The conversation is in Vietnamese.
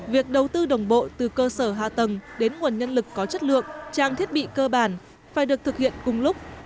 việc đầu tư đồng bộ từ cơ sở hạ tầng đến nguồn nhân lực có chất lượng trang thiết bị cơ bản phải được thực hiện cùng lúc